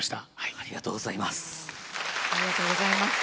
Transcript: ありがとうございます。